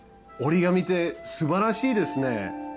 折り紙ってすばらしいですね！